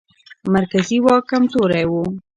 مرکزي واک کمزوری و.